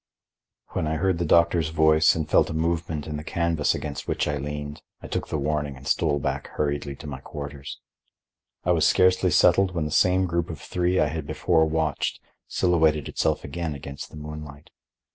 When I heard the doctor's voice and felt a movement in the canvas against which I leaned, I took the warning and stole back hurriedly to my quarters. I was scarcely settled, when the same group of three I had before watched silhouetted itself again against the moonlight.